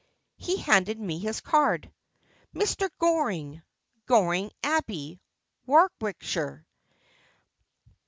' He handed me his card. " Mr. Goring, Goring Abbey, Warwickshire."